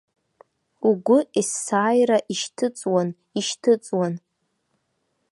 Угәы есааира ишьҭыҵуан, ишьҭыҵуан.